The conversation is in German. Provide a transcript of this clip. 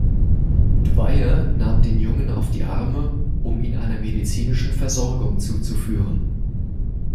Dwyer nahm den Jungen auf die Arme, um ihn einer medizinischen Versorgung zuzuführen.